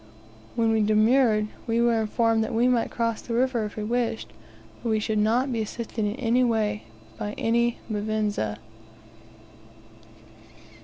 When we demurred, we were informed we might cross the river if we wished, but we should not be assisted by any Mvinza.